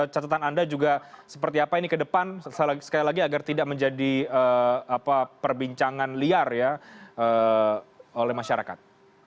catatan anda juga seperti apa ini ke depan sekali lagi agar tidak menjadi perbincangan liar ya oleh masyarakat